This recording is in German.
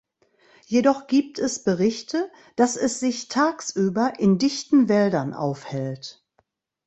Jedoch gibt es Berichte, dass es sich tagsüber in dichten Wäldern aufhält.